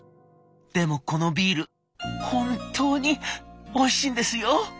「でもこのビール本当においしいんですよ」。